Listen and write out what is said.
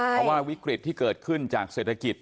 เพราะว่าวิกฤตที่เกิดขึ้นจากเศรษฐกิจ